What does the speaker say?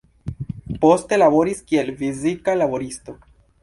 Poste laboris kiel fizika laboristo.